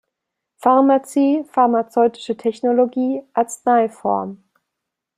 Pharmazie, Pharmazeutische Technologie, Arzneiform